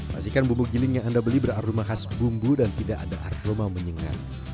pastikan bumbu giling yang anda beli beraroma khas bumbu dan tidak ada aroma menyengat